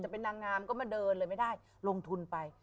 จะเป็นนางงามก็มาเดินเลยไม่ได้